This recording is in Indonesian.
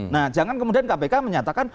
nah jangan kemudian kpk menyatakan